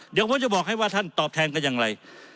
เดี๋ยวผมจะบอกให้ว่าท่านตอบแทนกันอย่างไร